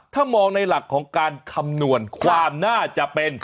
ถ้ามองในหลักของการคำนวณความน่าจะเป็น